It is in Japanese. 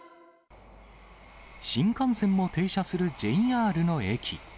新幹線も停車するＪＲの駅。